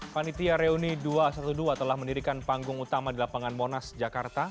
panitia reuni dua ratus dua belas telah mendirikan panggung utama di lapangan monas jakarta